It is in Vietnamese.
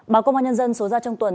báo công an nhân dân số ra trong tuần